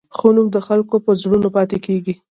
ښه نوم د خلکو په زړونو پاتې کېږي.